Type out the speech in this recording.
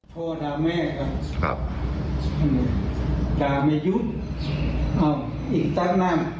พ่อดาแม่ครับครับอืมดาไม่ยุดเอาอีกตั้งนั้น